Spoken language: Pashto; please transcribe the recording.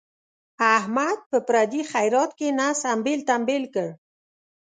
احمد په پردي خیرات کې نس امبېل تمبیل کړ.